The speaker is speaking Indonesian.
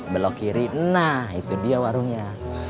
belok kiri nah itu dia warungnya